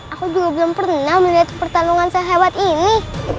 aku juga belum pernah melihat pertarungan sehebat ini